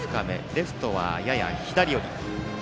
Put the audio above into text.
レフトはやや左寄り。